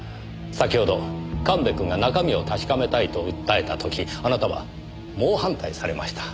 先ほど神戸くんが中身を確かめたいと訴えた時あなたは猛反対されました。